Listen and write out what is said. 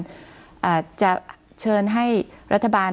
คุณปริณาค่ะหลังจากนี้จะเกิดอะไรขึ้นอีกได้บ้าง